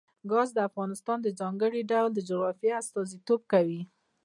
ګاز د افغانستان د ځانګړي ډول جغرافیه استازیتوب کوي.